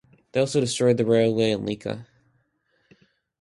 They also destroyed the railway in Lika.